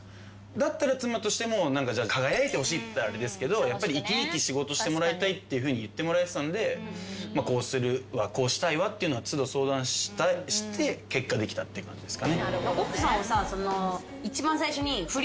だったら妻としても輝いてほしいっていったらあれですけど生き生き仕事してもらいたいって言ってもらえてたんでこうするわこうしたいわっていうのは都度相談して結果できたって感じですかね。